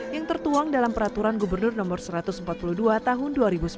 yang tertuang dalam peraturan gubernur no satu ratus empat puluh dua tahun dua ribu sembilan belas